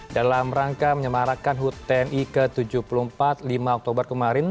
dalam rangka menyemarakan hut tni ke tujuh puluh empat lima oktober kemarin